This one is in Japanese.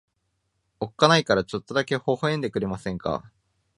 おっかないからちょっとだけ微笑んでくれませんか。